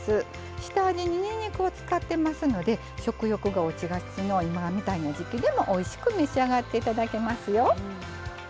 下味に、にんにくを使っていますので食欲が落ちがちの今みたいな時季でもおいしく召し上がっていただけますよ。